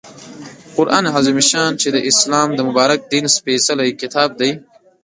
قرآن عظیم الشان چې د اسلام د مبارک دین سپیڅلی کتاب دی